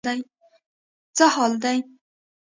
څه حال دی.